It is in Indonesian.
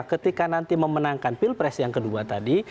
ketika nanti memenangkan pilpres yang kedua tadi